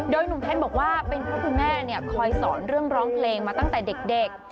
โดยหนุ่มเพชรบอกว่าเป็นเพราะคุณแม่คอยสอนเรื่องร้องเพลงมาตั้งแต่เด็ก